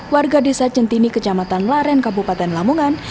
warga desa centini kecamatan laren kabupaten lamongan